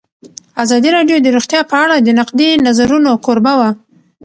ازادي راډیو د روغتیا په اړه د نقدي نظرونو کوربه وه.